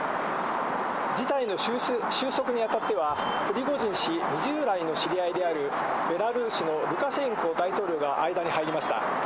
事態の収束にあたっては、プリゴジン氏２０年来の知り合いである、ベラルーシのルカシェンコ大統領が間に入りました。